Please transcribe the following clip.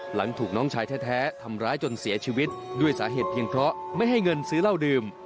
หลังถูกน้องชายแท้ทำร้ายจนเสียชีวิตด้วยสาเหตุเพียงเพราะไม่ให้เงินซื้อเหล้าดื่ม